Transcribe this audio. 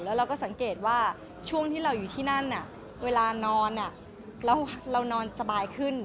แล้วเราก็สังเกตว่าช่วงที่เราอยู่ที่นั่นเวลานอนเรานอนสบายขึ้น